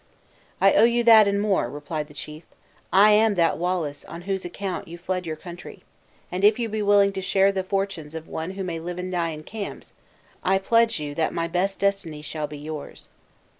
"I owe you that, and more," replied the chief; "I am that Wallace on whose account you fled your country; and if you be willing to share the fortunes of one who may live and die in camps, I pledge you that my best destiny shall be yours."